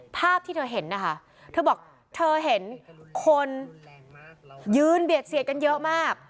ภาพที่เธอเห็นนะคะเธอบอกเธอเห็นคนยืนเบียดเสียดกันเยอะมาก